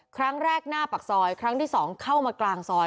ครั้งแรกหน้าปากซอยครั้งที่๒เข้ามากลางซอย